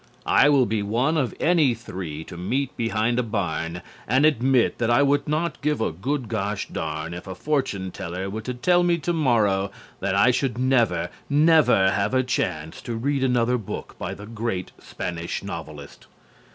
I will be one of any three to meet behind a barn and admit that I would not give a good gosh darn if a fortune teller were to tell me tomorrow that I should never, never have a chance to read another book by the great Spanish novelist.